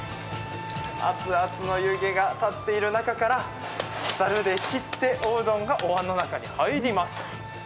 熱々の湯気が立っている中からざるで切っておうどんがおわんの中に入ります。